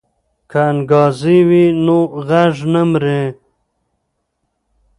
که انګازې وي نو غږ نه مري.